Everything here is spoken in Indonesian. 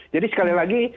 jadi sekali lagi